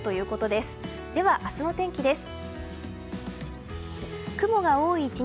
では、明日の天気です。